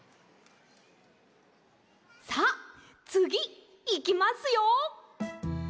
さあつぎいきますよ。